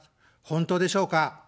本当でしょうか。